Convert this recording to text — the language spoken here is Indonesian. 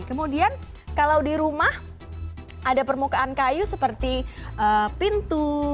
kemudian kalau di rumah ada permukaan kayu seperti pintu